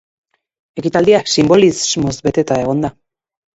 Ekitaldia sinbolismoz beteta egon da.